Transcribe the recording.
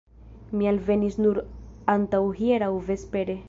Mi alvenis nur antaŭhieraŭ vespere.